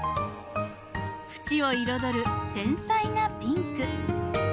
縁を彩る繊細なピンク。